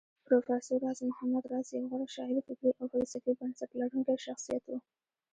پروفېسر راز محمد راز يو غوره شاعر فکري او فلسفي بنسټ لرونکی شخصيت و